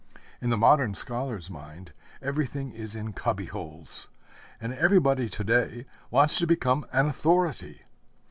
In the modern scholar's mind everything is in cubby holes; and everybody to day wants to become an authority.